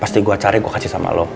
pasti gue cari gue kasih sama lo